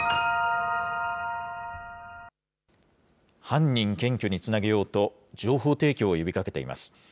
犯人検挙につなげようと、情報提供を呼びかけています。